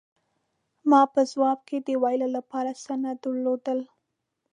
ما په ځواب کې د ویلو له پاره څه نه درلودل.